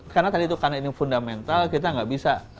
karena tadi itu fundamental kita gak bisa